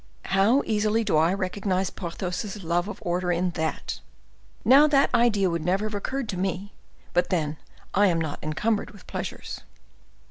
"How easily do I recognize Porthos's love of order in that! Now, that idea would never have occurred to me; but then I am not encumbered with pleasures."